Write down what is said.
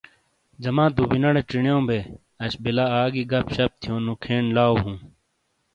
جَمات بُوبِناڑے چِینیو بے اَش بِیلہ آگی گَپ شَپ تھِیونو کھین لاؤ ہوں۔